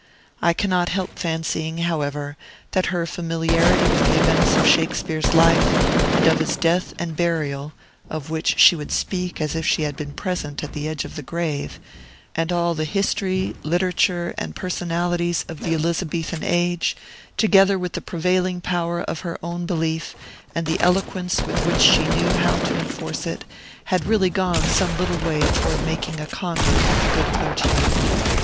I cannot help fancying, however, that her familiarity with the events of Shakespeare's life, and of his death and burial (of which she would speak as if she had been present at the edge of the grave), and all the history, literature, and personalities of the Elizabethan age, together with the prevailing power of her own belief, and the eloquence with which she knew how to enforce it, had really gone some little way toward making a convert of the good clergyman.